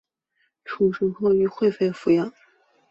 出生后由惠妃抚养。